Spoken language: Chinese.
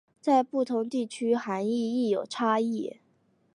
在不同地区涵义亦有差异。